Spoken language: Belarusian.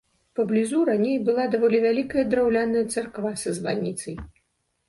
Паблізу раней была даволі вялікая драўляная царква са званіцай.